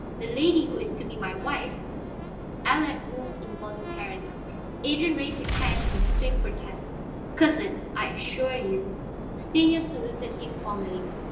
The lady who is to be my wife " Allard moved involuntarily; Adrian raised his hand in swift protest. "Cousin, I assure you " Stanief saluted him formally.